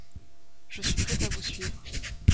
Je suis prêt à vous suivre.